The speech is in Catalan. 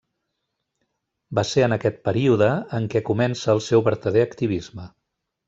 Va ser en aquest període en què comença el seu verdader activisme.